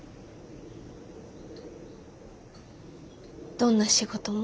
どんな仕事も？